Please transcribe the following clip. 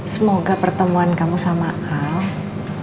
semoga pertemuannya kamu sama al